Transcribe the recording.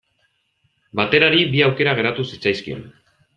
Baterari bi aukera geratu zitzaizkion.